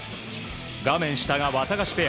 画面下がワタガシペア。